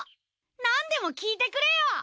なんでも聞いてくれよ！